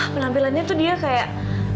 melampelannya tuh dia kayak